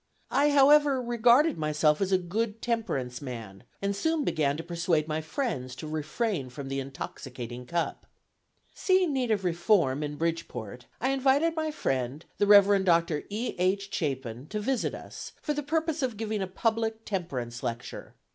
I however regarded myself as a good temperance man, and soon began to persuade my friends to refrain from the intoxicating cup. Seeing need of reform in Bridgeport, I invited my friend, the Reverend Doctor E. H. Chapin, to visit us, for the purpose of giving a public temperance lecture.